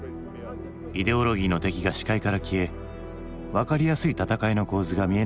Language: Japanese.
イデオロギーの敵が視界から消え分かりやすい戦いの構図が見えなくなった時代。